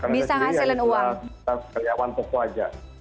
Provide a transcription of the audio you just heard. bisa menghasilkan uang